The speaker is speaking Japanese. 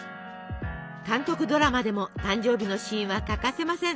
韓国ドラマでも誕生日のシーンは欠かせません。